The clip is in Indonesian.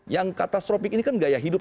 yang katastropik ini kan gaya hidup